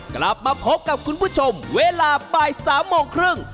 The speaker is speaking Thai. กลับมาพบกับคุณผู้ชมเวลา๓๓๐น